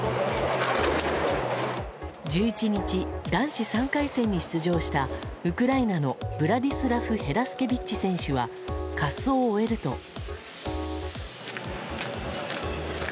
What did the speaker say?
１１日、男子３回戦に出場したウクライナのブラディスラフ・ヘラスケビッチ選手は滑走を終えると。